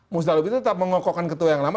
musdalub itu tetap mengokokkan ketua yang lama